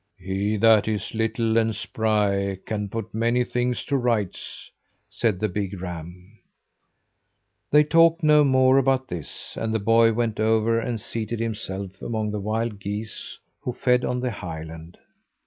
"He that is little and spry can put many things to rights," said the big ram. They talked no more about this, and the boy went over and seated himself among the wild geese who fed on the highland.